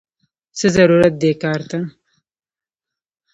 څه ضرورت دې کار ته!!